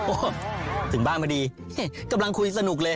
โอ้โหถึงบ้านพอดีกำลังคุยสนุกเลย